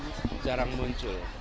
yang sering jarang muncul